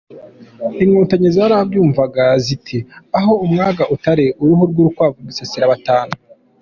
Inkotanyi zarabyumvaga ziti “Aho umwaga utari uruhu rw’urukwavu rwisasira batanu”.